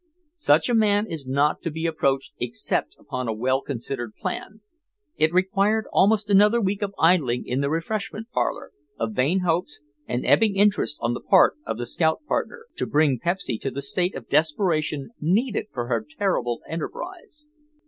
Such a man is not to be approached except upon a well considered plan. It required almost another week of idling in the refreshment parlor, of vain hopes, and ebbing interest on the part of the scout partner, to bring Pepsy to the state of desperation needed for her terrible enterprise.